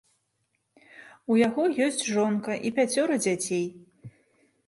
У яго ёсць жонка і пяцёра дзяцей.